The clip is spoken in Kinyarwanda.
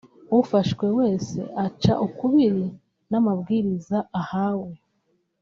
ufashwe wese aca ukubiri n’amabwiriza ahanwe